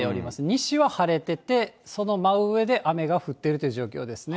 西は晴れてて、その真上で雨が降ってるっていう状況ですね。